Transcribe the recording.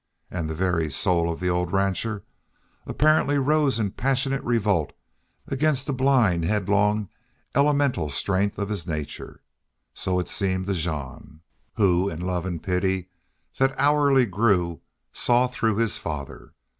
And the very soul of the old rancher apparently rose in Passionate revolt against the blind, headlong, elemental strength of his nature. So it seemed to Jean, who, in love and pity that hourly grew, saw through his father.